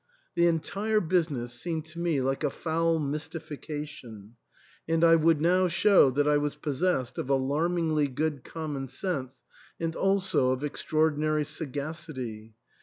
The entire business seemed to me like a foul mystifica tion ; and I would now show that I was possessed of alarmingly good common sense and also of extraordi nary sagacity.